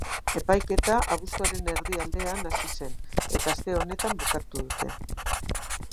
Epaiketa abuztuaren erdialdean hasi zen, eta aste honetan bukatu dute.